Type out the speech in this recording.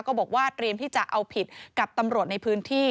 ก็บอกว่าเตรียมที่จะเอาผิดกับตำรวจในพื้นที่